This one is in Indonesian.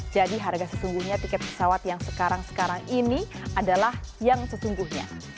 jadi harga sesungguhnya tiket pesawat yang sekarang sekarang ini adalah yang sesungguhnya